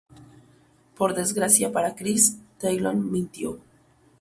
Por desgracia para Chris, Talon mintió.